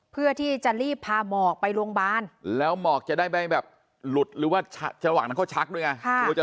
เพื่อที่จะรีบพาหมอกไปโรงพยาบาลแล้วหมอกจะได้ไม่แบบหลุดหรือว่าจังหวะนั้นเขาชักด้วยไง